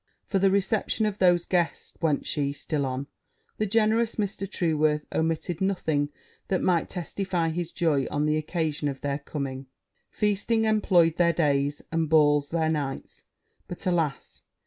'For the reception of those guests,' went she still on, 'the generous Mr. Trueworth omitted nothing that might testify his joy on the occasion of their coming. Feasting employed their days, and balls their nights. But, alas!